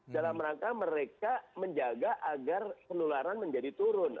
dalam rangka mereka menjaga agar penularan menjadi turun